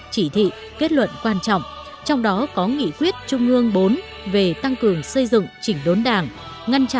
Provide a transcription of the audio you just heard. chỉ thị kết luận quan trọng trong đó có nghị quyết trung ương bốn về tăng cường xây dựng chỉnh đốn đảng